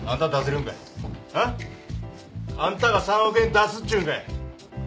ん？あんたが３億円出すっちゅうんかい？